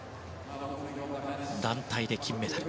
団体で金メダル。